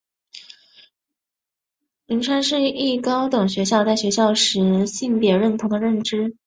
仁川世一高等学校在学时性别认同的认识。